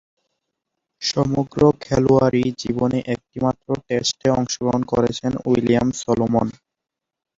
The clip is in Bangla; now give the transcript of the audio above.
সমগ্র খেলোয়াড়ী জীবনে একটিমাত্র টেস্টে অংশগ্রহণ করেছেন উইলিয়াম সলোমন।